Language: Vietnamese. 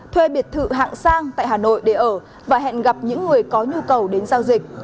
thuê biệt thự hạng sang tại hà nội để ở và hẹn gặp những người có nhu cầu đến giao dịch